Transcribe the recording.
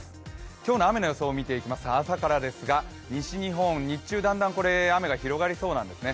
今日の雨の予想を見ていきますが、朝からですが、西日本、日中だんだん雨が広がりそうなんですね。